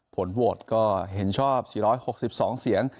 ผลโหวตก็เห็นชอบ๔๖๒เสียง